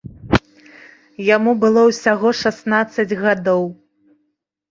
Яму было ўсяго шаснаццаць гадоў.